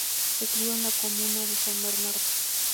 Se crio en la comuna de San Bernardo.